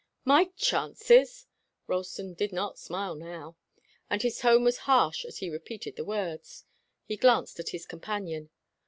"My chances!" Ralston did not smile now, and his tone was harsh as he repeated the words. He glanced at his companion.